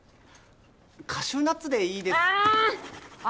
カシューナッツでいいあっあ